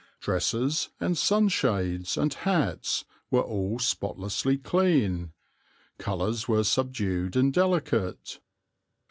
Dresses and sunshades and hats were all spotlessly clean, colours were subdued and delicate.